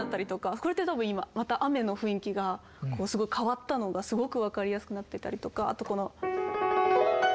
これって多分今また雨の雰囲気がこうすごい変わったのがすごく分かりやすくなってたりとかあとこの。